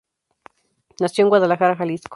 Nació en Guadalajara, Jalisco.